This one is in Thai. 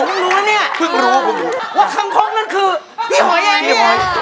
ไม่รู้ละนี่แล้วเพิ่งรู้ว่าคำคกนั้นคือพี่หอยอันนี้